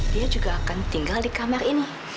dia juga akan tinggal di kamar ini